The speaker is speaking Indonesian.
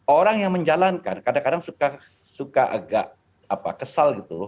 orang yang menjalankan kadang kadang suka agak kesal gitu